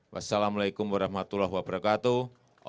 wassalamu'alaikum warahmatullahi wabarakatuh